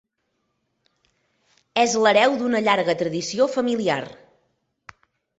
És l'hereu d'una llarga tradició familiar.